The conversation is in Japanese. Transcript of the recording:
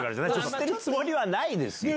してるつもりはないですよ。